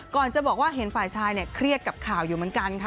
จะบอกว่าเห็นฝ่ายชายเนี่ยเครียดกับข่าวอยู่เหมือนกันค่ะ